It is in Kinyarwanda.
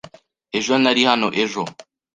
Ejo nari hano ejo.